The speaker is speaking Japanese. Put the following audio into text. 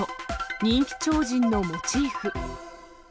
人気超人のモチーフ。